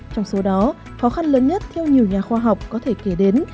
trong số đó khó khăn lớn nhất theo nhiều nhà khoa học có thể kể đến